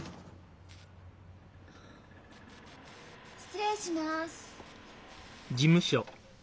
失礼します。